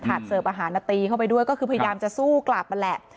เสิร์ฟอาหารตีเข้าไปด้วยก็คือพยายามจะสู้กลับนั่นแหละ